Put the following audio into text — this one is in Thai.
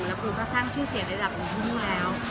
แล้วครูก็สร้างชื่อเสียใดดับของพรุ่งนี้แล้ว